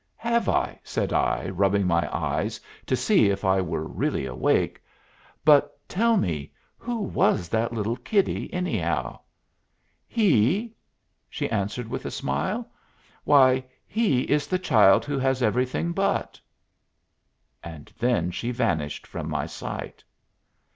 "Have I?" said I, rubbing my eyes to see if I were really awake. "But tell me who was that little kiddie anyhow?" "He?" she answered with a smile. "Why, he is the Child Who Has Everything But " And then she vanished from my sight.